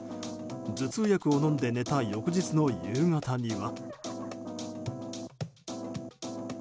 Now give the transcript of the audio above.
頭痛薬を飲んで寝た翌日の夕方には。